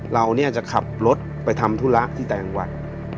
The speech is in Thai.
เราจะขับรถไปทำทุลักษณ์ที่แต่งวัด